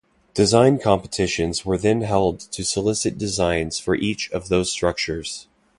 Design competitions were then held to solicit designs for each of those structures.